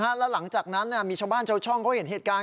แล้วหลังจากนั้นมีชาวบ้านชาวช่องเขาเห็นเหตุการณ์